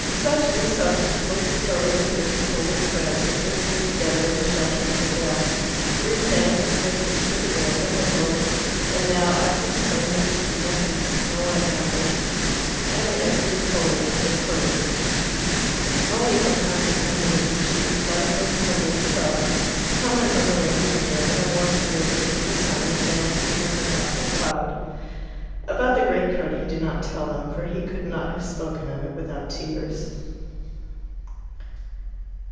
Such, in substance, was the story which Rickie told his friends as they stood together in the shelter of the dell. The green bank at the entrance hid the road and the world, and now, as in spring, they could see nothing but snow white ramparts and the evergreen foliage of the firs. Only from time to time would a beech leaf flutter in from the woods above, to comment on the waning year, and the warmth and radiance of the sun would vanish behind a passing cloud. About the greatcoat he did not tell them, for he could not have spoken of it without tears.